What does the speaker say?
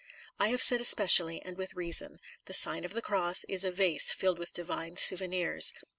I have said especially, and with reason. The Sign of the Cross is a vase filled with divine souvenirs.